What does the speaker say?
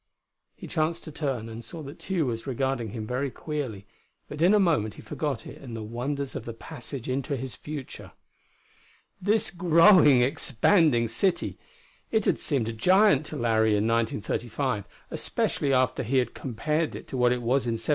He chanced to turn, and saw that Tugh was regarding him very queerly; but in a moment he forgot it in the wonders of the passage into his future. This growing, expanding city! It had seemed a giant to Larry in 1935, especially after he had compared it to what it was in 1777.